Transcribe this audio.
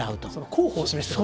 候補を示してくれる。